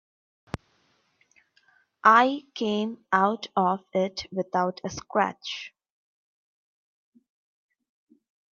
I came out of it without a scratch.